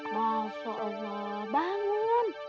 masya allah bangun